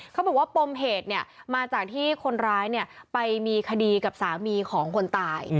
เขาบอกว่าปมเหตุมาจากที่คนร้ายไปมีคดีกับสามีของคนตาย